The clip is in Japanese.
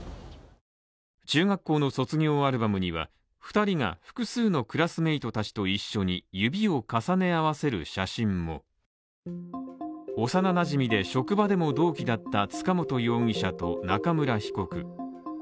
中学校の卒業アルバムには２人が、複数のクラスメイトたちと一緒に指を重ね合わせる写真も幼なじみで職場でも同期だった塚本容疑者と中村被告